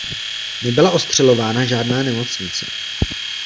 Nebyla ostřelována žádná nemocnice.